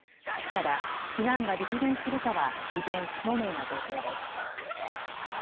ただ避難が実現するかは依然、不透明な状況です。